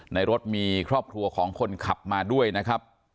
ในรถมีครอบครัวของคนขับมาด้วยนะครับ